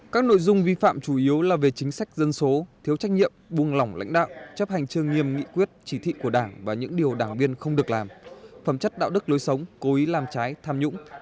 các nội dung vi phạm chủ yếu là về chính sách dân số thiếu trách nhiệm buông lỏng lãnh đạo chấp hành chương nghiêm nghị quyết chỉ thị của đảng và những điều đảng viên không được làm phẩm chất đạo đức lối sống cố ý làm trái tham nhũng